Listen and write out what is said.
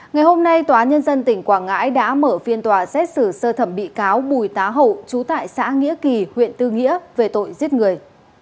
ngày hôm nay tòa nhân dân tỉnh quảng ngãi đã mở phiên tòa xét xử sơ thẩm bị cáo bùi tá hậu chú tại xã nghĩa kỳ huyện tư nghĩa về tội giết người